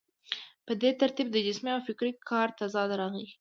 په دې ترتیب د جسمي او فکري کار تضاد راغی.